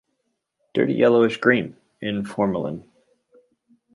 Dirty yellowish green (in formalin).